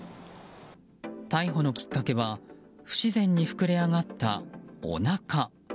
逮捕のきっかけは不自然に膨れ上がったおなか。